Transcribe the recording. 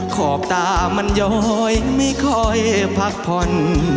ขอบตามันย้อยไม่ค่อยพักผ่อน